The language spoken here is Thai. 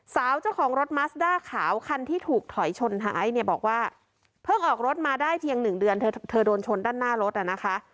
สาวเจ้าของรถมัสด้าขาวคันที่ถูกถอยชนท้ายเนี่ยบอกว่าเพิ่งออกรถมาได้เพียงหนึ่งเดือนเธอเธอโดนชนด้านหน้ารถอ่ะนะคะ